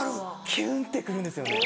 キュンって来るんですよね。